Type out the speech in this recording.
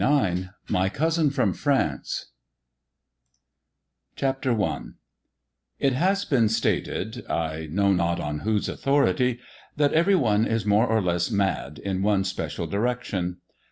r^^>y MY COUSIN FEOM FEANCE CHAPTER I IT has been stated — ^I know not on whose authority — that every one is more or less mad in one special direction.